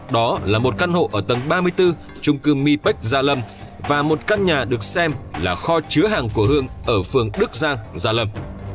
đó là một căn hộ ở tầng ba mươi bốn trung cư mi bách gia lâm và một căn nhà được xem là kho chứa hàng của hương ở phường đức giang gia lâm